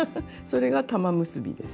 それが玉結びです。